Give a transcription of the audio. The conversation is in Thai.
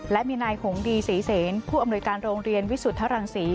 และมีนายหงดีศรีเสนผู้อำนวยการโรงเรียนวิสุทธรังศรี